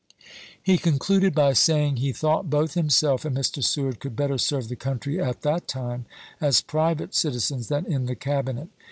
He concluded by saying he thought both himself and Mr. Seward could better serve the country at that time as private citizens than in the Cabinet.